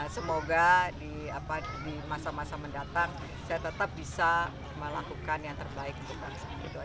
semoga di masa masa mendatang saya tetap bisa melakukan yang terbaik untuk bangsa indonesia